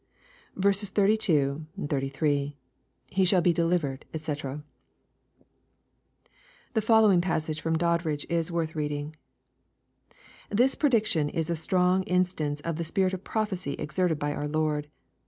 32, 33. — [He shall he delivered^ (fee] The following passage from Doddridge is worth reading :" This prediction is a strong in stance of the spirit of prophecy exerted by our Lord.